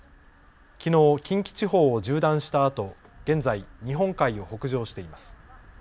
きのう近畿地方を縦断したあと現在、日本海を北上しています。